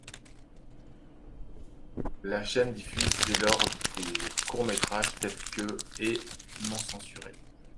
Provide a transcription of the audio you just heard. La chaîne diffuse dès lors des courts-métrages tels que ' et ', non-censurés.